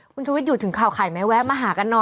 คุณชุวิตอยู่ถึงข่าวไข่ไหมแวะมาหากันหน่อย